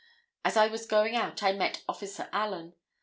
As I was going out I met Officer Allen.